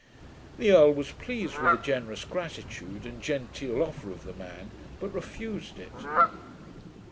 The earl was pleased with the generous gratitude and genteel offer of the man; but refused it.